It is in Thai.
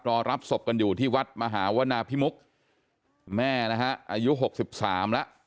รอรับศพกันอยู่ที่วัดมหาวนาพิมุกแม่นะฮะอายุหกสิบสามแล้ว